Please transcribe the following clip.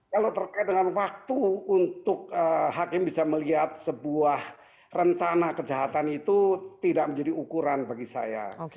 kalau terkait dengan waktu untuk hakim bisa melihat sebuah rencana kejahatan itu tidak menjadi ukuran bagi saya